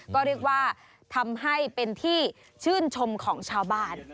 ก็เรียกว่าทำให้เป็นที่ชื่นชมของชาวบ้าน